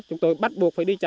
chúng tôi bắt buộc phải đi chặt